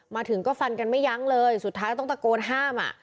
มาถึงก็ฟันกันไม่ยั้งเลยสุดท้ายต้องตะโกนห้ามอ่ะ